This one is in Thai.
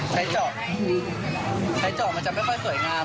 เจาะใช้เจาะมันจะไม่ค่อยสวยงาม